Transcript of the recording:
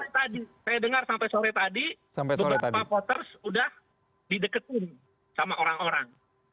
saya dengar sampai sore tadi beberapa voters udah dideketin sama orang orang